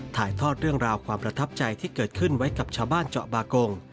ถ่ายทอดเรื่องราวความประทับใจที่เกิดขึ้นไว้กับชาวบ้านเจาะบากง